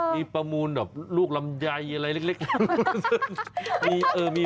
มีประมูลแบบลูกลำไยอะไรเล็ก